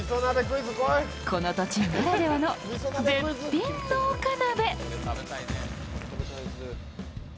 この土地ならではの絶品農家鍋。